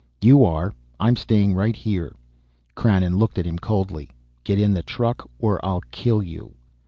"You are, I'm staying right here." Krannon looked at him coldly. "Get in the truck or I'll kill you.